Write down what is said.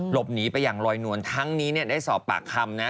หลบหนีไปอย่างลอยนวลทั้งนี้เนี่ยได้สอบปากคำนะ